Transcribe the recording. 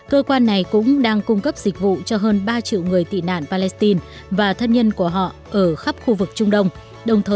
cơ quan này cũng đang cung cấp dịch vụ cho hơn ba triệu người tị nạn palestine và thân nhân của họ ở khắp khu vực trung đông